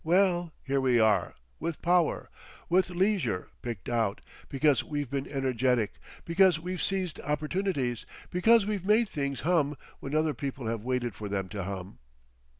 Well, here we are, with power, with leisure, picked out—because we've been energetic, because we've seized opportunities, because we've made things hum when other people have waited for them to hum.